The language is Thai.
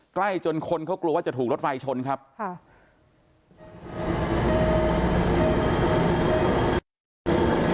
ใกล้จนคนเขากลัวว่าจะถูกรถไฟชนครับค่ะ